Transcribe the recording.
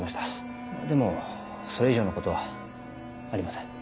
でもそれ以上の事はありません。